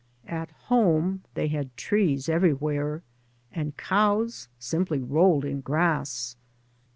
" At home " they had trees everywhere, and cows simply rolled in grass.